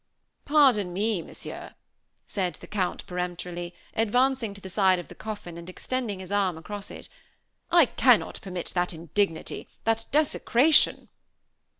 "Pardon me, Monsieur," said the Count, peremptorily, advancing to the side of the coffin and extending his arm across it, "I cannot permit that indignity that desecration."